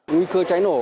nguy cơ cháy nổ